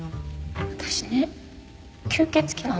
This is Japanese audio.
私ね吸血鬼なんだ。